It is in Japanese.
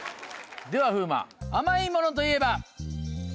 では風磨甘いものといえば？